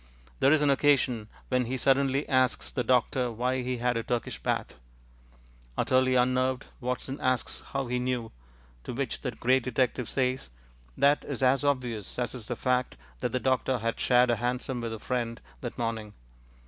There is an occasion when he suddenly asks the doctor why he had a Turkish bath. Utterly unnerved, Watson asks how he knew, to which the great detective says that it is as obvious as is the fact that the doctor had shared a hansom with a friend that morning.